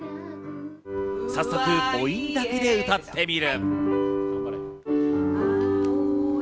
早速、母音だけで歌ってみる。